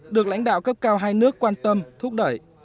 được lãnh đạo cấp cao hai nước quan tâm thúc đẩy